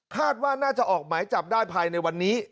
คาดว่าน่าจะออกหมายจับได้ภายในวันนี้